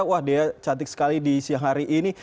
wah dea cantik sekali di siang hari ini